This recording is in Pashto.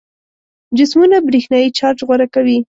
جسمونه برېښنايي چارج غوره کوي.